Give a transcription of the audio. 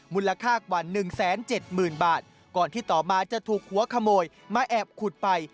มูลค่ากว่าหนึ่งแสนเจ็ดหมื่นบาทก่อนที่ต่อมาจะถูกหัวขโมยมาแอบขุดไป